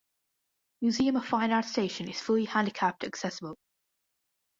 Museum of Fine Arts station is fully handicapped accessible.